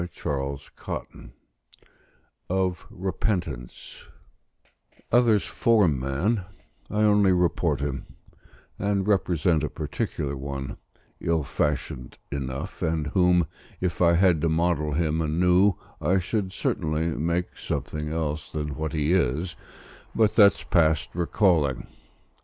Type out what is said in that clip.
CHAPTER II OF REPENTANCE Others form man; I only report him: and represent a particular one, ill fashioned enough, and whom, if I had to model him anew, I should certainly make something else than what he is but that's past recalling.